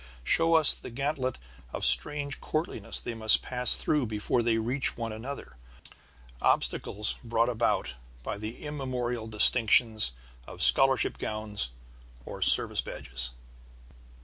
Show us the gantlet of strange courtliness they must pass through before they reach one another, obstacles brought about by the immemorial distinctions of scholarship gowns or service badges.